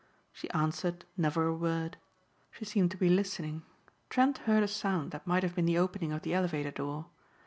She answered never a word. She seemed to be listening. Trent heard a sound that might have been the opening of the elevator door.